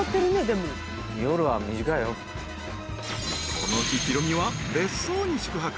［この日ヒロミは別荘に宿泊。